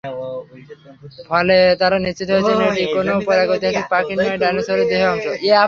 ফলে তাঁরা নিশ্চিত হয়েছেন এটি কোনো প্রাগৈতিহাসিক পাখির নয়, ডাইনোসরেরই দেহের অংশ।